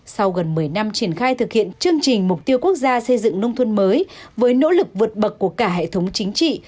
sau gần một mươi năm triển khai thực hiện chương trình mục tiêu quốc gia xây dựng nông thôn mới với nỗ lực vượt bậc của cả hệ thống chính trị